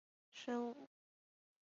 五代南唐保大三年改名南州。